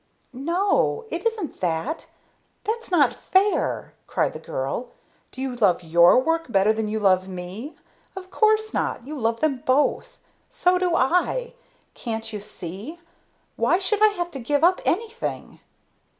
"No! It isn't that! That's not fair!" cried the girl. "Do you love your work better than you love me? Of course not! You love both. So do I. Can't you see? Why should I have to give up anything?"